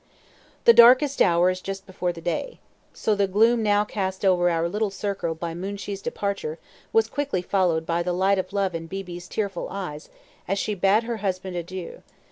"The darkest hour is just before day." So the gloom now cast over our little circle by Moonshee's departure was quickly followed by the light of love in Beebe's tearful eyes as she bade her husband adieu.